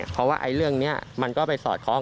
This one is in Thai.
เพราะว่าเรื่องนี้มันก็ไปสอดคล้อง